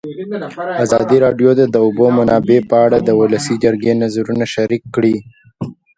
ازادي راډیو د د اوبو منابع په اړه د ولسي جرګې نظرونه شریک کړي.